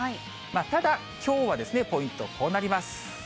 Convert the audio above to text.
ただ、きょうはポイント、こうなります。